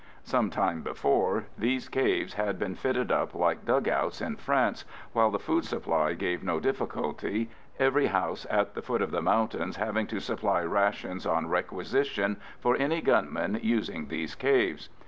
Some time before these caves had been fitted up like dug outs in France, while the food supply gave no difficulty, every house at the foot of the mountains having to supply rations on requisition for any gunmen using these caves.